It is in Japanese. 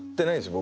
僕。